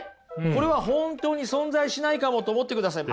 これは本当に存在しないかもと思ってください。